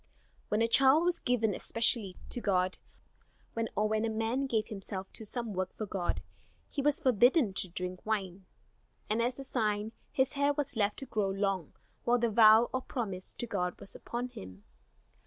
When a child was given especially to God, or when a man gave himself to some work for God, he was forbidden to drink wine, and as a sign, his hair was left to grow long while the vow or promise to God was upon him.